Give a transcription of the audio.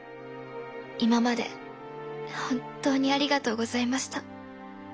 今まで本当にありがとうございました。